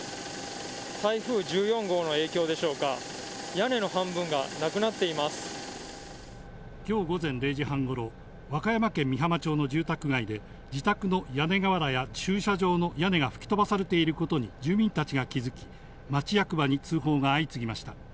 台風１４号の影響でしょうか、きょう午前０時半ごろ、和歌山県美浜町の住宅街で、自宅の屋根瓦や駐車場の屋根が吹き飛ばされていることに住民たちが気付き、町役場に通報が相次ぎました。